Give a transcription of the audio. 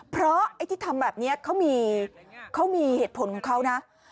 เพราะไอ้ที่ทำแบบนี้เขามีเหตุผลของเขานะ